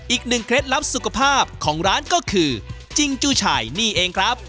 เคล็ดลับสุขภาพของร้านก็คือจิงจูชัยนี่เองครับ